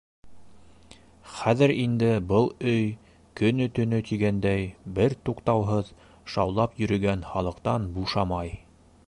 Хәҙер инде был өй, көнө-төнө тигәндәй, бер туҡтауһыҙ шаулап йөрөгән халыҡтан бушамай.